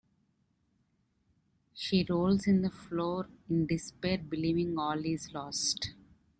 She rolls in the floor in despair believing all is lost.